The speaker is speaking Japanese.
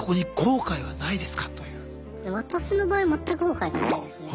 私の場合全く後悔がないですね。